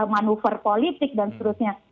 manuver politik dan seterusnya